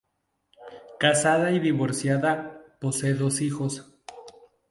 Casada y divorciada, posee dos hijos.